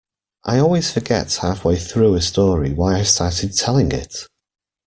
I always forget halfway through a story why I started telling it.